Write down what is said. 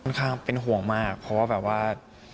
ข้างเป็นห่วงมากเพราะว่าแบบว่า